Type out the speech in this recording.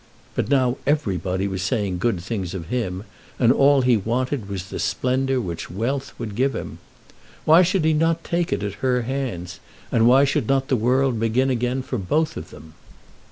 But now everybody was saying good things of him, and all he wanted was the splendour which wealth would give him. Why should he not take it at her hands, and why should not the world begin again for both of them?